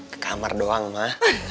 ke kamar doang ma